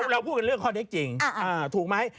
เราพูดกันเรื่องข้อเท็จจริงถูกไหม